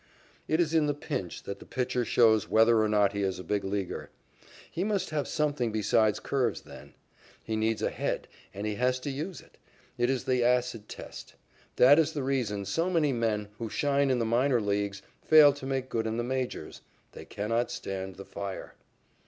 It is in the pinch that the pitcher shows whether or not he is a Big Leaguer. He must have something besides curves then. He needs a head, and he has to use it. It is the acid test. That is the reason so many men, who shine in the minor leagues, fail to make good in the majors. They cannot stand the fire.